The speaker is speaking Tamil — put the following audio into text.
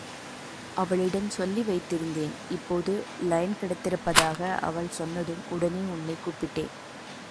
அவளிடம் சொல்லிவைத்திருந்தேன் இப்போது லைன் கிடைத்திருப்பதாக அவள் சொன்னதும் உடனே உன்னை கூப்பிட்டேன்.